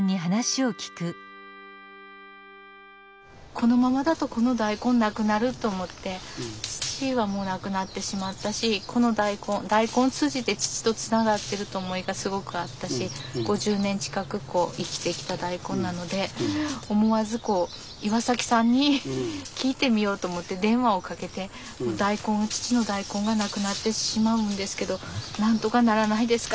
このままだとこの大根なくなると思って父はもう亡くなってしまったしこの大根大根通じて父とつながってると思いがすごくあったし５０年近く生きてきた大根なので思わずこう岩さんに聞いてみようと思って電話をかけて大根父の大根がなくなってしまうんですけどなんとかならないですか？